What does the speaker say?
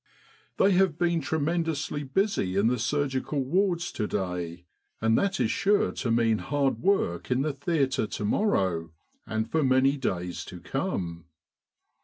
1 They have been tremendously busy in the sur gical wards to day, and that is sure to mean hard work in the theatre to morrow, and for many days to come.